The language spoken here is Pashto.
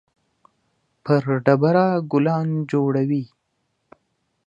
پر ډبره ګلان جوړوي